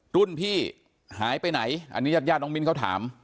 รุ่นพี่หายไปไหนอันนี้ญาติญาติน้องมิ้นเขาถาม